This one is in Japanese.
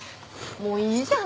もういいじゃん。